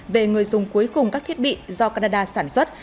về người dùng cuối cùng các thiết bị do canada sản xuất